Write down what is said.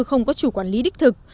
không có chủ quản lý đích thực